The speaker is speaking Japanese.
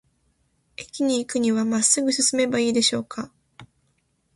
駅に行くには、まっすぐ進めばいいでしょうか。